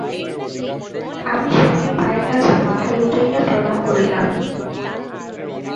আমি স্বামীর পায়ের কাছে মাথা লুটাইয়া প্রণাম করিলাম।